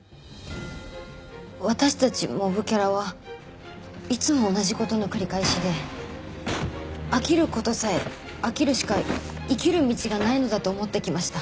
私たちモブキャラはいつも同じ事の繰り返しで飽きる事さえ飽きるしか生きる道がないのだと思ってきました。